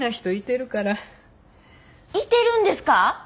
いてるんですか！？